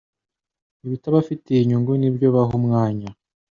ibitabafitiye inyungu nibyo baha umwanya